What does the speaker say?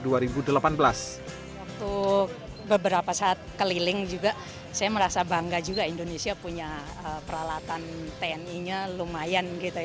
waktu beberapa saat keliling juga saya merasa bangga juga indonesia punya peralatan tni nya lumayan